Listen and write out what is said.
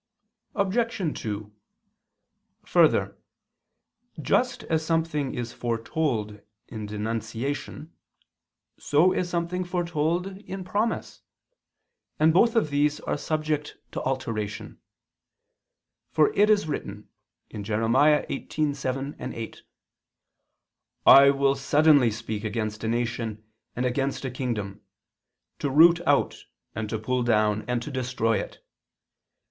Obj. 2: Further, just as something is foretold in denunciation, so is something foretold in promise, and both of these are subject to alteration. For it is written (Jer. 18:7, 8): "I will suddenly speak against a nation and against a kingdom, to root out, and to pull down, and to destroy it.